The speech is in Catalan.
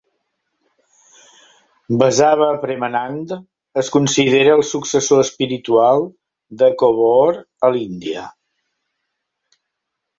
Basava Premanand es considera el successor espiritual de Kovoor a l'Índia.